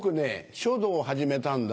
書道を始めたんだ。